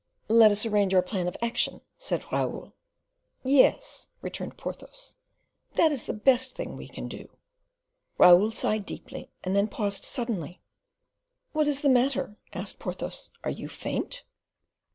"Let us arrange our plan of action," said Raoul. "Yes," returned Porthos, "that is the best thing we can do." Raoul sighed deeply, and then paused suddenly. "What is the matter?" asked Porthos; "are you faint?"